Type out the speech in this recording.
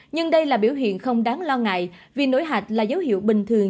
nhưng đây là biểu hiện không đáng lo ngại vì nổi hạch là dấu hiệu bình thường